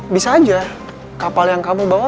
bisa aja kapal yang kamu bawa